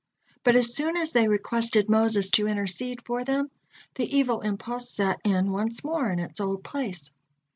But as soon as they requested Moses to intercede for them, the evil impulse set in once more in its old place.